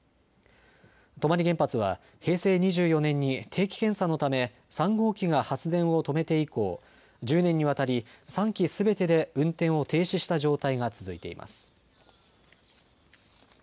泊原発は平成２４年に定期検査のため３号機が発電を止めて以降、１０年にわたり３基すべてで運転を停止した状態が続いています。